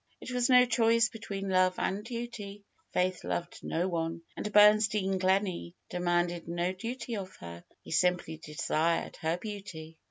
It was no choice between love and duty; Faith loved no one, and Bernstein Gleney demanded no duty of her; he simply desired her beauty.